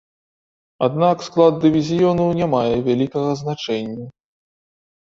Аднак склад дывізіёну не мае вялікага значэння.